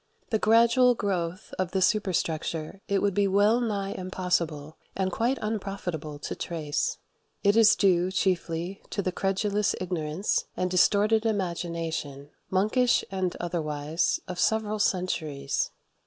The gradual growth of the superstructure it would be well nigh impossible and quite unprofitable to trace. It is due chiefly to the credulous ignorance and distorted imagination, monkish and otherwise, of several centuries.